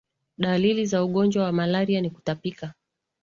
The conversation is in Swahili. dalili za mgonjwa wa malaria ni kutapika